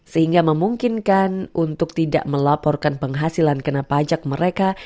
sehingga memungkinkan untuk tidak melaporkan penghasilan kena pajak mereka